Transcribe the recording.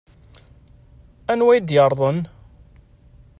Anwa i d-yeṛḍen?